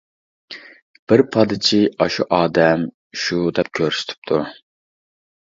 بىر پادىچى ئاشۇ ئادەم شۇ دەپ كۆرسىتىپتۇ.